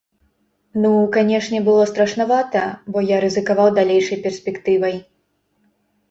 Ну, канешне, было страшнавата, бо я рызыкаваў далейшай перспектывай.